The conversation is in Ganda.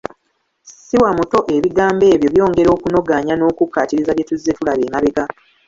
Siwa muto Ebigambo ebyo byongera okunogaanya n’okukkaatiriza bye tuzze tulaba emabega.